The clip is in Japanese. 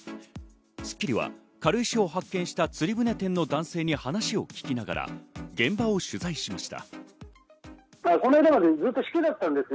『スッキリ』は軽石を発見した釣り船店の男性に話を聞きながら、現場を取材しました。